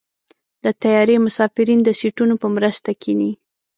د طیارې مسافرین د سیټونو په مرسته کېني.